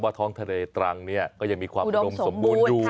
ท้องทะเลตรังเนี่ยก็ยังมีความอุดมสมบูรณ์อยู่